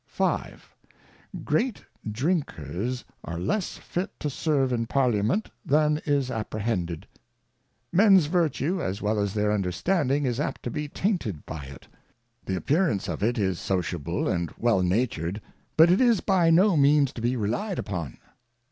i V. Great Drinkers are less fit to Serve in Parliament than is apprehended. Men's Virtue, as well as their Understanding, is apt to be tainted by it. The appearance of it is Sociable and well natur'd, but it is by no means to be rely'd upon.